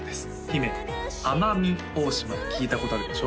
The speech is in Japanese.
姫奄美大島聞いたことあるでしょ？